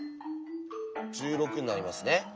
１６になりますね。